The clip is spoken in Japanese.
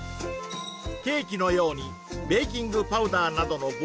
ケーキのようにベーキングパウダーなどの膨張剤を加え